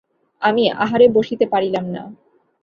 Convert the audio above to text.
আমি আহারে বসিতে পারিলাম না।